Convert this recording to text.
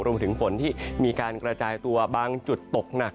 ฝนที่มีการกระจายตัวบางจุดตกหนัก